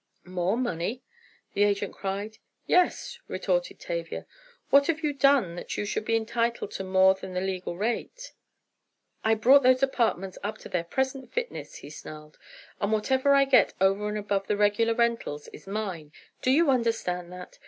"More money?" the agent cried. "Yes," retorted Tavia. "What have you done that you should be entitled to more than the legal rate?" "I brought those apartments up to their present fitness," he snarled, "and whatever I get over and above the regular rentals, is mine; do you understand that?